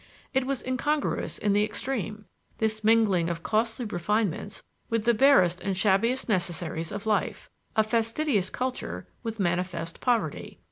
It was incongruous in the extreme, this mingling of costly refinements with the barest and shabbiest necessaries of life, of fastidious culture with manifest poverty.